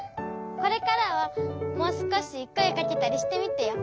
これからはもうすこしこえかけたりしてみてよ。